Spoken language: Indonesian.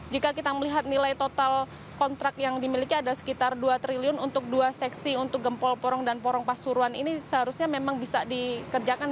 jika kita melihat nilai total kontrak yang dimiliki ada sekitar dua triliun untuk dua seksi untuk gempol porong dan porong pasuruan ini seharusnya memang bisa dikerjakan